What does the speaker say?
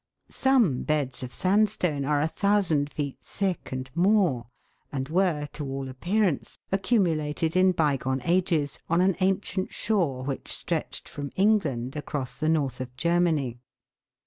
Some beds of sandstone are a thousand feet thick and more, and were, to all appearance, accumulated in bygone ages on an ancient shore which stretched from England across the North of Germany.